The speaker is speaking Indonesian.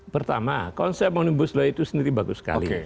pertama konsep omnibus law itu sendiri bagus sekali